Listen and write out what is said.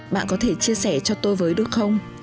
bạn có thể chia sẻ cho tôi với đúng không